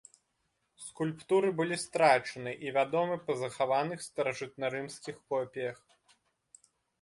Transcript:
Скульптуры былі страчаны і вядомы па захаваных старажытнарымскіх копіях.